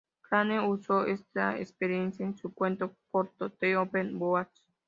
Crane usó esta experiencia en su cuento corto "The Open Boat".